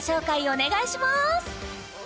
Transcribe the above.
お願いします